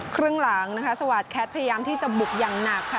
ครึ่งหลังนะคะสวาสแคทพยายามที่จะบุกอย่างหนักค่ะ